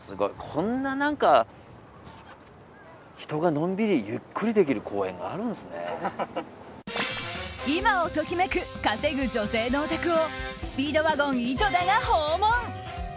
こんな人がのんびりゆっくりできる公園が今を時めく稼ぐ女性のお宅をスピードワゴン井戸田が訪問。